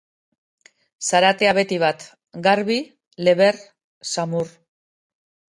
Zaratea beti bat, garbi, leber, samur.